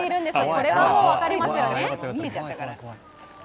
これはもう分かりますよね。